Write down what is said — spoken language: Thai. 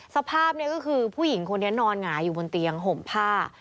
สภาพนี้ก็คือผู้หญิงคนนี้นอนหงายอยู่บนเตียงห่มผ้า